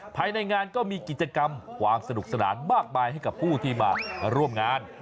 ภายในงานก็มีกิจกรรมความสนุกสนานมากมายให้กับผู้ที่มาร่วมงาน